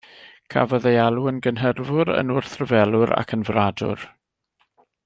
Cafodd ei alw yn gynhyrfwr, yn wrthryfelwr, ac yn fradwr.